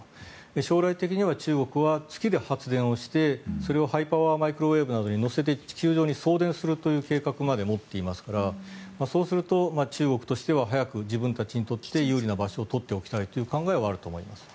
将来的には中国は月で発電してそれをハイパワーマイクロウェーブなどに乗せて地球上に送電するという計画まで持っていますからそうすると中国として早く自分たちにとって有利な場所を取っておきたいという考えはあると思います。